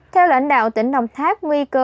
theo lãnh đạo tỉnh đồng tháp nguy cơ bổng